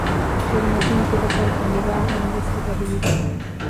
ކުރިމަތިން ކުޑަކޮށް އަލިވާހެންވެސް އެބަ ހީވެ